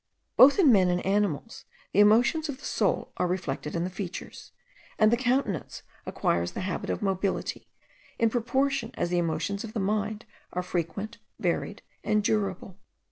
Both in men and animals the emotions of the soul are reflected in the features; and the countenance acquires the habit of mobility, in proportion as the emotions of the mind are frequent, varied, and durable.